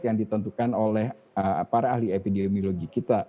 yang ditentukan oleh para ahli epidemiologi kita